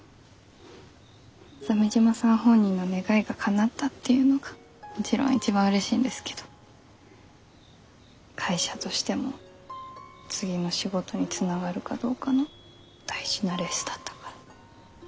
鮫島さん本人の願いがかなったっていうのがもちろん一番うれしいんですけど会社としても次の仕事につながるかどうかの大事なレースだったから。